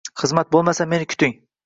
Xizmat bo'lmasa, meni kuting